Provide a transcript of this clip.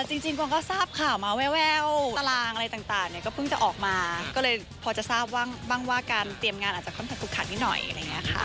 เอ่อจริงก็ทราบค่ะมาแววตารางอะไรต่างเนี่ยก็พึ่งจะออกมาก็เลยพอจะทราบว่าบั้งว่าการเตรียมงานอาจจะค่อนข้างทุกขันนิดหน่อยครับ